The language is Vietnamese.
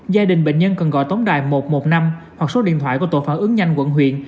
gia đình bệnh nhân cần gọi tổng đài một trăm một mươi năm hoặc số điện thoại của tội phản ứng nhanh quận huyện